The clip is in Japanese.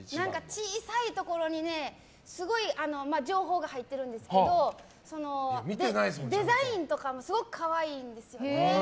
小さいところにすごい情報が入ってるんですけどデザインとかもすごい可愛いんですよね。